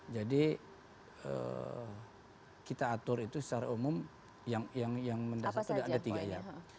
jadi kita atur itu secara umum yang mendasar sudah ada tiga ya